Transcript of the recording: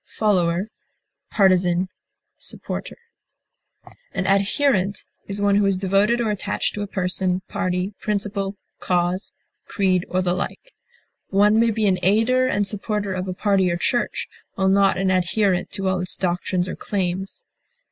aider, backer, follower, An adherent is one who is devoted or attached to a person, party, principle, cause, creed, or the like. One may be an aider and supporter of a party or church, while not an adherent to all its doctrines or claims.